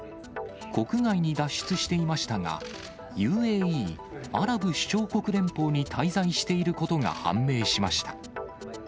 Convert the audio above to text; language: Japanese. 国外に脱出していましたが、ＵＡＥ・アラブ首長国連邦に滞在していることが判明しました。